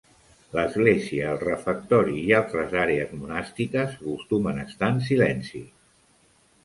L'església, el refectori i altres àrees monàstiques acostumen a estar en silenci.